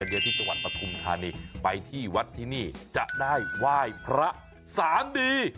เดี๋ยวที่จิกวัฒน์ปทุมธานีไปที่วัฒน์ที่นี่จะได้ว้ายพระสามดี